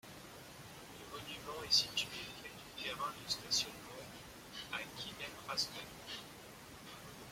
Le monument est situé près du terrain de stationnement à Gyllene Rasten.